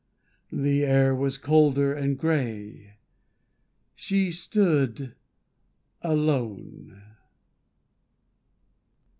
The air was colder, and grey. She stood alone.